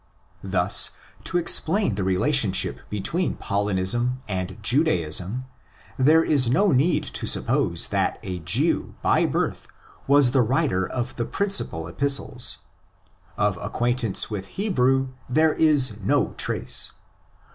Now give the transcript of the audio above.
Thus, to explain the relationship between Paulinism and Judaism, there is no need to suppose that a Jew by birth was the writer of the principal' Epistles. Of acquaintance with Hebrew there is no trace.